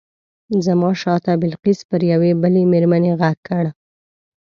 زما شاته بلقیس پر یوې بلې مېرمنې غږ کړ.